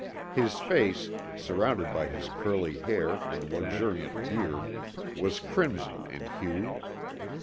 His face, surrounded by his curly hair and luxuriant beard, was crimson in hue.